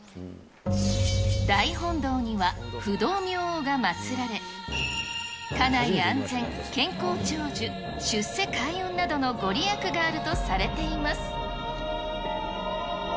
そんなに縁とゆかりがあるん大本堂には、不動明王が祭られ、家内安全、健康長寿、出世開運などの御利益があるとされています。